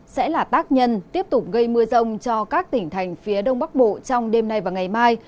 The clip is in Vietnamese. sẽ là tác nhân tiếp tục gây mưa rông cho các tỉnh thành phía đông bắc bộ trong đêm nay và ngày mai